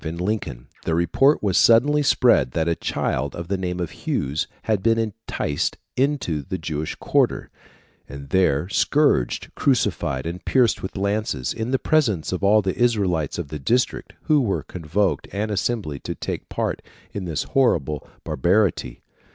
] In 1255, in Lincoln, the report was suddenly spread that a child of the name of Hughes had been enticed into the Jewish quarter, and there scourged, crucified, and pierced with lances, in the presence of all the Israelites of the district, who were convoked and assembled to take part in this horrible barbarity.